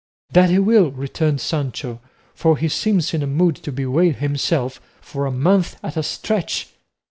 "That he will," returned Sancho, "for he seems in a mood to bewail himself for a month at a stretch."